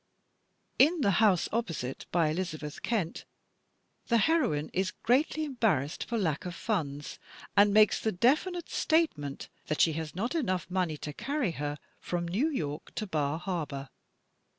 In "The House Opposite" by Elizabeth Kent, the heroine is greatly embarrassed for lack of funds, and makes the defi nite statement that she has not enough money to carry her from New York to Bar Harbor.